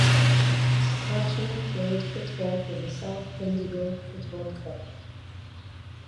Strachan played football for the South Bendigo Football Club.